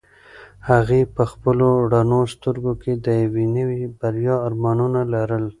هغې په خپلو رڼو سترګو کې د یوې نوې بریا ارمانونه لرل.